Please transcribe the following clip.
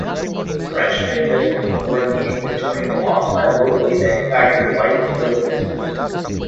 French-made missiles were in the inventory, alongside locally manufactured licence-built missiles.